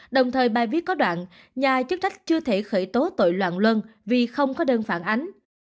đồng thời bài viết có đoạn nhà chức trách chưa thể khởi tố tội loạn luân vì không có đơn phản ánh